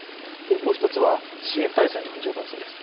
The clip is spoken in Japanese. もう一つは支援体制の不十分さです。